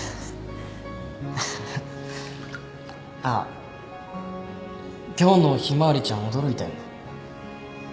あっ今日の向日葵ちゃん驚いたよね。